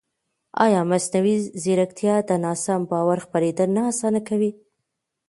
ایا مصنوعي ځیرکتیا د ناسم باور خپرېدل نه اسانه کوي؟